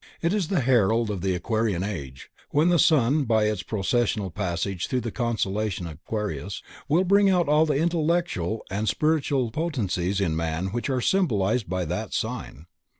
It is the herald of the Aquarian Age, when the Sun by its precessional passage through the constellation Aquarius will bring out all the intellectual and spiritual potencies in man which are symbolized by that sign.